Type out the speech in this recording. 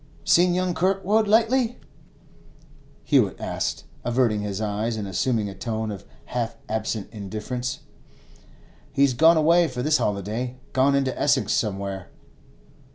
'Seen young Kirkwood lately?' Hewett asked, averting his eyes and assuming a tone of half absent indifference. 'He's gone away for his holiday; gone into Essex somewhere.